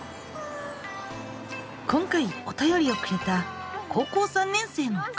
今回おたよりをくれた高校３年生のかの。